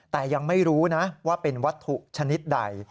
แต่ยังไม่รู้นะว่าเป็นวัตถุชนิดใด